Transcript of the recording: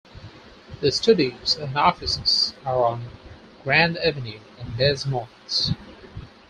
The studios and offices are on Grand Avenue in Des Moines.